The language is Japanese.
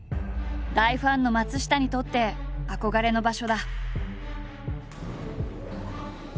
大ファンの松下にとって憧れの場所だ。